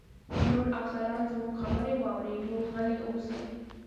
چې نور افسران زموږ خبرې واوري، نو غلي اوسئ.